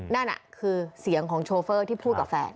นั่นคือเสียงของโชเฟอร์ที่พูดกับแฟน